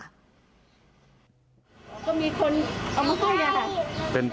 ก็มีคนเอามากล้องยา